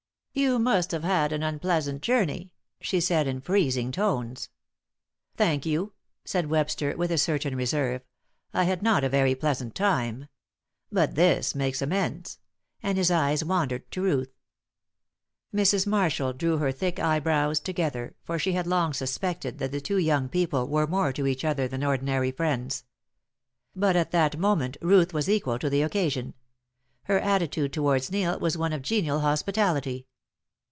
"You must have had an unpleasant journey," she said, in freezing tones. "Thank you," said Webster, with a certain reserve. "I had not a very pleasant time. But this makes amends," and his eyes wandered to Ruth. Mrs. Marshall drew her thick eyebrows together, for she had long suspected that the two young people were more to each other than ordinary friends. But at that moment Ruth was equal to the occasion. Her attitude towards Neil was one of genial hospitality.